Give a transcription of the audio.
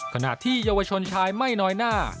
ขณะที่เยาวชนชายไม่น้อยหน้า